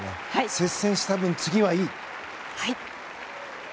接戦した分、次はいい！